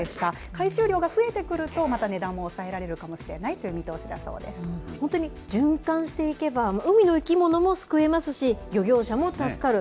回収量が増えてくると、また値段も抑えられるかもしれないという本当に循環していけば、海の生き物も救えますし、漁業者も助かる。